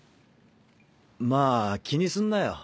まあ気にすんなよ